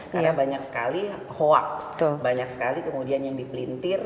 karena banyak sekali hoax banyak sekali kemudian yang dipelintir